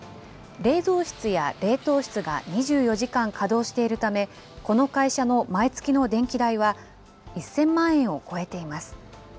冷蔵室や冷凍室が２４時間稼働しているため、この会社の毎月の電気代は、１０００万円を超えています。